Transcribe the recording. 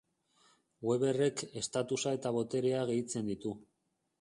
Weberrek estatusa eta boterea gehitzen ditu.